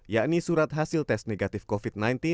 yakni surat hasil tes negatif covid sembilan belas